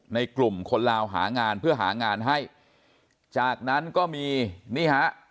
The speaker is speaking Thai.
ในกลุ่มคนลาวหางานเพื่อหางานให้จากนั้นก็มีนี่ฮะ